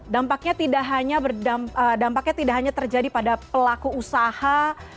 dampaknya tidak hanya terjadi pada pelaku usaha